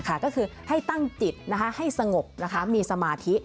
ค่ะก็คือให้ตั้งจิตนะคะให้สงบนะคะมีสมาธิ